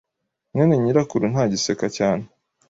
mwene nyirakuru ntagiseka cyane.